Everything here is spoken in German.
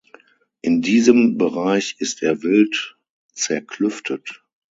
In diesem Bereich ist er wild zerklüftet.